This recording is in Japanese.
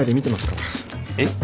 えっ？